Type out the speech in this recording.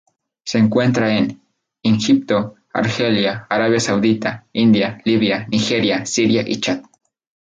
Se encuentra en in Egipto, Argelia, Arabia Saudita, India, Libia, Nigeria, Siria y Chad.